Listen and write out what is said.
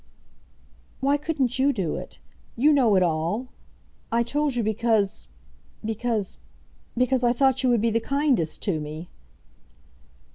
"Why couldn't you do it? You know it all. I told you because because because I thought you would be the kindest to me."